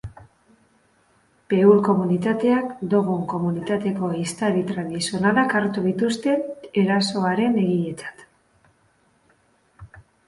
Peul komunitateak, dogon komunitateko ehiztari tradizionalak hartu dituzte erasoaren egiletzat.